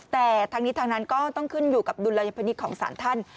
แต่ทั้งนี้ทั้งนั้นก็ต้องขึ้นอยู่กับดุลยพินิษฐ์ของสารท่าน